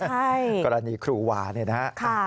ใช่กรณีครูวาเนี่ยนะฮะ